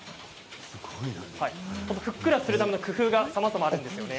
ふっくらするための工夫さまざまあります。